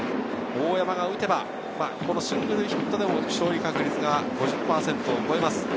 大山が打てばシングルヒットでも勝利確率が５０％を超えます。